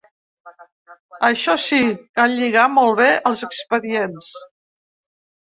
Això sí, cal lligar molt bé els expedients.